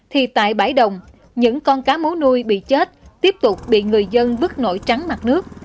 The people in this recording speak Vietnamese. thì tại bãi đồng những con cá mố nuôi bị chết tiếp tục bị người dân bức nổi trắng mặt nước